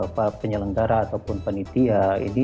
pak penyelenggara ataupun panitia